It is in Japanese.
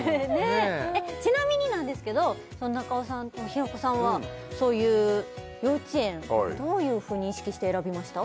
ちなみになんですけど中尾さんと平子さんはそういう幼稚園どういうふうに意識して選びました？